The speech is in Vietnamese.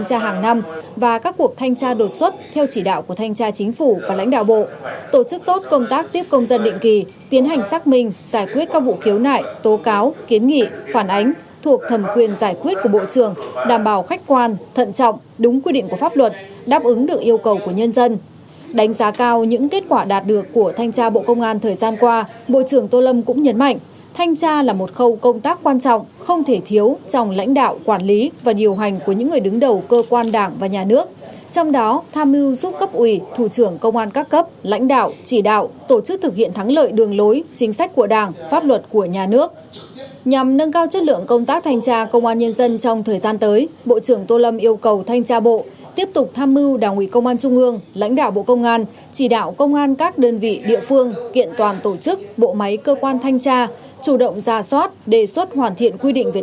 chỉ đạo công an các đơn vị địa phương kiện toàn tổ chức bộ máy cơ quan thanh tra chủ động ra soát đề xuất hoàn thiện quy định về tổ chức và hoạt động của lực lượng thanh tra ngay sau khi quốc hội thông qua luật thanh tra sở đổi